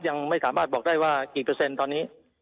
ยังไม่สามารถบอกได้ว่ากี่เปอร์เซ็นต์ตอนนี้